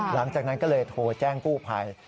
หลังจากนั้นก็เลยโทรแจ้งกู้ภัย